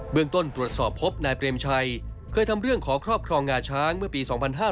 เรื่องต้นตรวจสอบพบนายเปรมชัยเคยทำเรื่องขอครอบครองงาช้างเมื่อปี๒๕๕๙